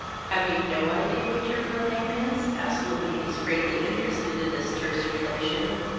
"Have you no idea what your real name is?" asked Louise, greatly interested in this terse relation.